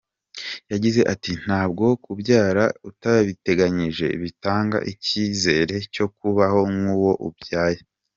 Yagize ati “Ntabwo kubyara utabiteganyije bitanga icyizere cyo kubaho k’uwo ubyaye.